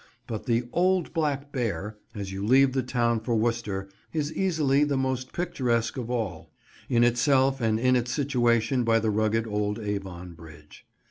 But the "Old Black Bear," as you leave the town for Worcester, is easily the most picturesque of all; in itself and in its situation by the rugged old Avon bridge.